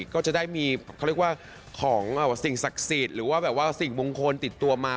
ก็จะได้มีเขาเรียกว่าของสิ่งศักดิ์สิทธิ์หรือว่าแบบว่าสิ่งมงคลติดตัวมา